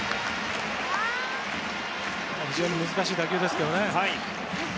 非常に難しい打球ですけどね。